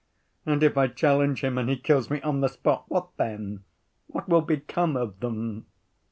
And if I challenge him and he kills me on the spot, what then? What will become of them?